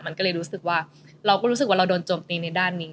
มันก็เลยรู้สึกว่าเราก็รู้สึกว่าเราโดนโจมตีในด้านนี้